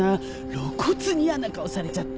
露骨にやな顔されちゃって。